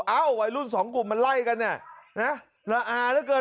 วัยรุ่นสองกลุ่มมันไล่กันเนี่ยนะละอาเหลือเกิน